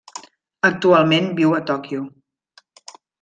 Actualment viu a Tòquio.